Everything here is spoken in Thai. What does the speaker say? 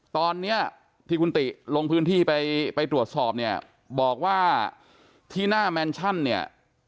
ตอนนี้ที่คุณติลงพื้นที่ไปไปตรวจสอบเนี่ยบอกว่าที่หน้าแมนชั่นเนี่ย